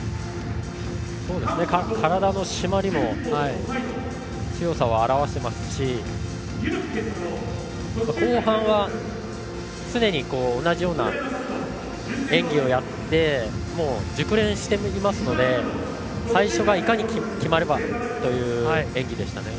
体の締まりも強さを表していますし後半は常に同じような演技をやって熟練していますので最初がいかに決まるかという演技でしたね。